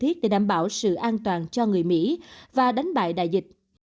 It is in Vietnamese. hợp pháp cần thiết để đảm bảo sự an toàn cho người mỹ và đánh bại đại dịch